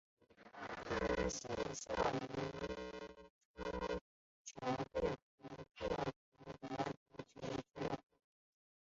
他现在效力于英超球队沃特福德足球俱乐部。